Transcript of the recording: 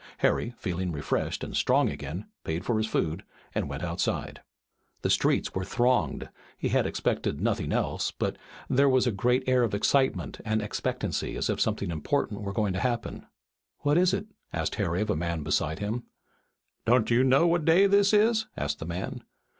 Harry, feeling refreshed and strong again, paid for his food and went outside. The streets were thronged. He had expected nothing else, but there was a great air of excitement and expectancy as if something important were going to happen. "What is it?" asked Harry of a man beside him. "Don't you know what day this is?" asked the man.